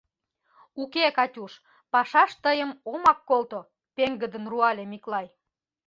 — Уке, Катюш, пашаш тыйым омак колто! — пеҥгыдын руале Миклай.